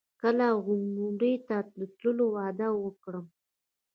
کله عمرې ته د تللو وعده وکړم.